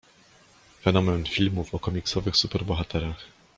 Fenomen filmów o komiksowych superbohaterach.